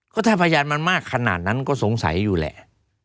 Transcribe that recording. ก็ถ้าพยานมันมากขนาดนั้นก็สงสัยอยู่แหละ